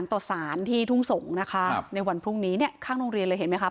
ต่อสารที่ทุ่งสงศ์นะคะในวันพรุ่งนี้เนี่ยข้างโรงเรียนเลยเห็นไหมครับ